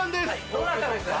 どなたですか？